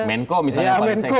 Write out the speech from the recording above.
menko misalnya paling seksi ya